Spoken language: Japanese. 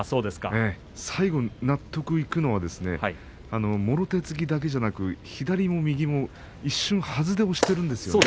最後、納得いくのはもろ手突きだけではなく左も右も一瞬はずで押しているんですね。